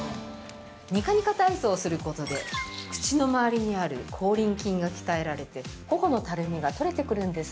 ◆ニカニカ体操することで口の周りにある口輪筋が鍛えられて頬のたるみが取れてくるんです。